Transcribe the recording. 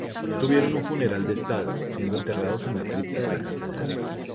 Tuvieron un funeral de Estado, siendo enterrados en la cripta de la catedral.